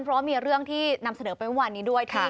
เพราะมีเรื่องที่นำเสนอไปวันนี้ด้วย